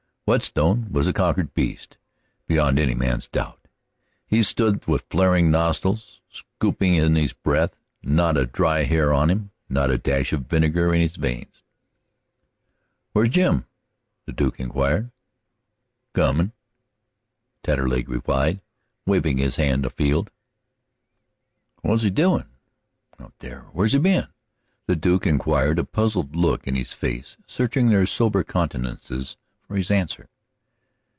Whetstone was a conquered beast, beyond any man's doubt. He stood with flaring nostrils, scooping in his breath, not a dry hair on him, not a dash of vinegar in his veins. "Where's Jim?" the Duke inquired. "Comin'," Taterleg replied, waving his hand afield. "What's he doin' out there where's he been?" the Duke inquired, a puzzled look in his face, searching their sober countenances for his answer.